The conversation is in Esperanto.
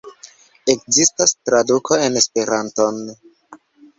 Ekzistas traduko en Esperanton.